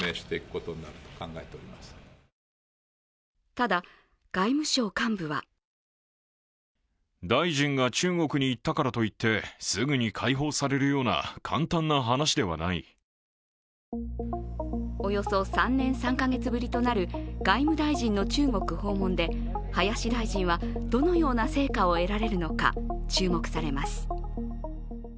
ただ外務省幹部はおよそ３年３か月ぶりとなる外務大臣の中国訪問で林大臣はどのような成果を得られるのか、注目されます。